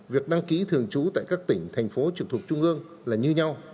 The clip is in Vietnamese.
việc đăng ký thường trú tại các tỉnh thành phố trực thuộc trung ương là như nhau